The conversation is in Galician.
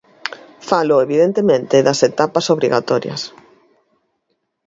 Falo, evidentemente, das etapas obrigatorias.